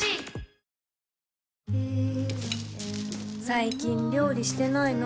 最近料理してないの？